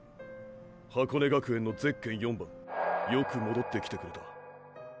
箱根学園のゼッケン４番よく戻ってきてくれた。